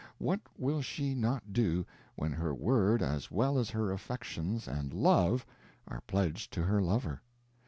What will she not do, when her word as well as her affections and _love _are pledged to her lover?